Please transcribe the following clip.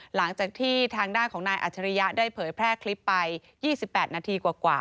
หลังจากที่ทางด้านของนายอัจฉริยะได้เผยแพร่คลิปไป๒๘นาทีกว่า